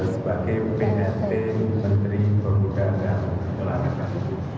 sebagai pnp menteri pengunduran dan penanakan